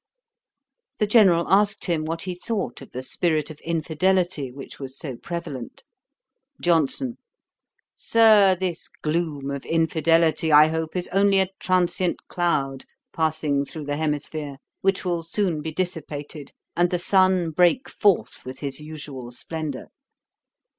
The General asked him, what he thought of the spirit of infidelity which was so prevalent. JOHNSON. 'Sir, this gloom of infidelity, I hope, is only a transient cloud passing through the hemisphere, which will soon be dissipated, and the sun break forth with his usual splendour.'